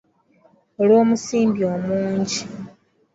Olw’omusimbi omungi.